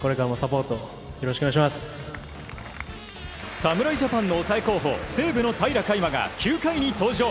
侍ジャパンの抑え候補西武の平良海馬が９回に登場。